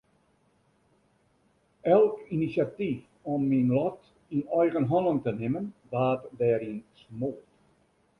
Elk inisjatyf om myn lot yn eigen hannen te nimmen waard deryn smoard.